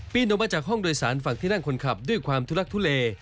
ออกมาจากห้องโดยสารฝั่งที่นั่งคนขับด้วยความทุลักทุเล